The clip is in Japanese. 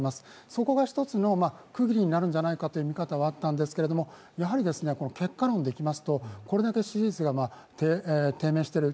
そこが一つの区切りになるんじゃないかという見方はあったんですが、やはり、結果論でいきますとこれだけ支持率が低迷している